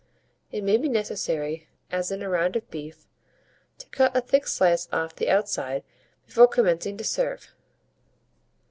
It may be necessary, as in a round of beef, to cut a thick slice off the outside before commencing to serve.